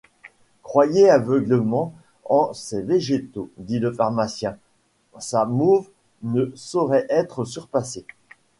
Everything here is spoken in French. Croyez aveuglément en ses végétaux, dit le pharmacien, sa mauve ne saurait être surpassée.